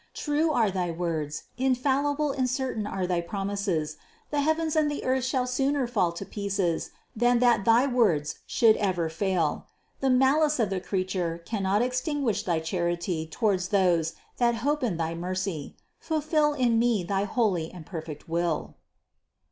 True are thy words, infallible and certain are thy promises ; the heavens and the earth shall sooner fall to pieces than that thy words should ever fail. The malice of the creature cannot extinguish thy charity toward those that hope in thy mercy ; fulfill in me thy holy and perfect will."